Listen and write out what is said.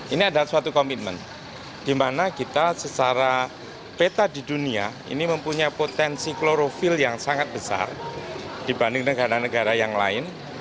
ini adalah suatu komitmen di mana kita secara peta di dunia ini mempunyai potensi klorofil yang sangat besar dibanding negara negara yang lain